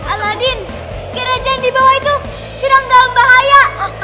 aladin kira kira yang dibawah itu sedang dalam bahaya